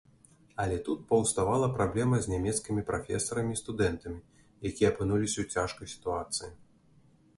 Але тут паўставала праблема з нямецкімі прафесарамі і студэнтамі, якія апынуліся ў цяжкай сітуацыі.